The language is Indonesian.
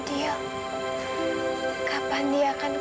dia juga akan men medio nasib kita